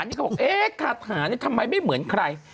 นี่เขาบอกเอ๊ะคาถานี่ทำไมไม่เหมือนใคร